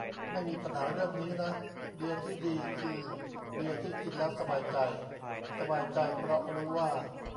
ไม่มีปัญหาเรื่องนี้นะ เบียร์ที่ดีคือเบียร์ที่กินแล้วสบายใจ สบายใจเพราะรู้ว่า